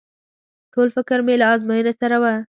ټول فکر مې له ازموينې سره و.